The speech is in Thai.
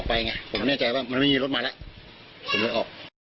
ผมเลี้ยวออก